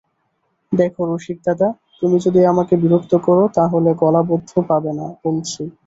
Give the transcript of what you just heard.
দেখো রসিকদাদা, তুমি যদি আমাকে বিরক্ত কর তা হলে গলাবদ্ধ পাবে না বলছি।